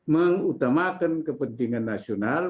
mengutamakan kepentingan nasional